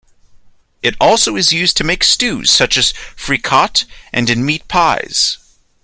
It also is used to make stews such as fricot, and in meat pies.